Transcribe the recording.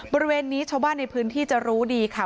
บริเวณนี้ชาวบ้านในพื้นที่จะรู้ดีค่ะ